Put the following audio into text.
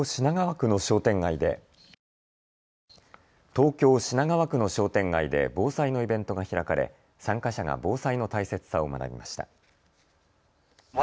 東京品川区の商店街で防災のイベントが開かれ参加者が防災の大切さを学びました。